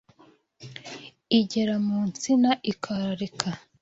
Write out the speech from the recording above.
igera mu nsina ikararika.